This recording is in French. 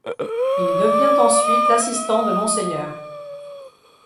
Il devient ensuite l'assistant de Mr.